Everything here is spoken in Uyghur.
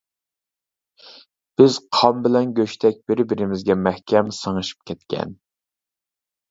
بىز قان بىلەن گۆشتەك بىر-بىرىمىزگە مەھكەم سىڭىشىپ كەتكەن.